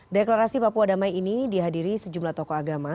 deklarasi papua damai ini dihadiri sejumlah tokoh agama